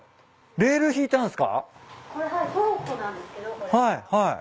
レール引いてあるんすか？